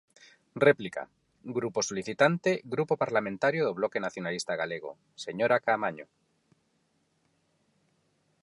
Réplica, grupo solicitante, Grupo Parlamentario do Bloque Nacionalista Galego, señora Caamaño.